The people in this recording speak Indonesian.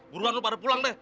buruan lo pada pulang deh